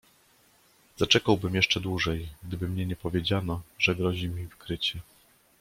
"Zaczekałbym jeszcze dłużej, gdyby mnie nie powiedziano, że grozi mi wykrycie."